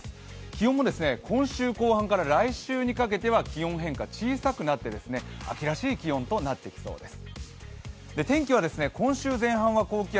気温も、今週後半から来週にかけては気温変化小さくなって、秋らしい気温となってきそうです。